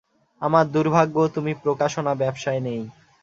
আমার দুর্ভাগ্য, তুমি প্রকাশনা ব্যবসায় নেই।